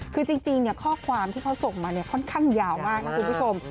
คือจริงข้อความที่เขาส่งมาค่อนข้างยาวมากนะคุณผู้ชม